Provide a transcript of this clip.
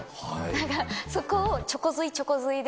なんか、そこをちょこずい、ちょこずいで。